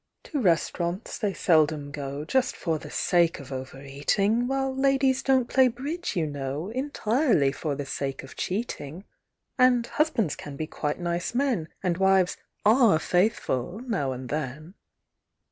To restaurants they seldom go, Just for the sake of over eating; While ladies donŌĆÖt play bridge, you know, Entirely for the sake of cheating; And husbands can be quite nice men, And wives are faithful, now and then.